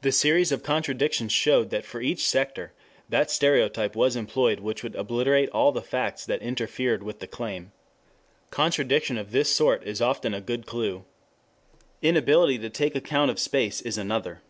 The series of contradictions showed that for each sector that stereotype was employed which would obliterate all the facts that interfered with the claim. Contradiction of this sort is often a good clue. 2 Inability to take account of space is another.